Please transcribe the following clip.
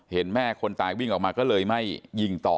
เห็นแม่คนตายวิ่งออกมาก็เลยไม่ยิงต่อ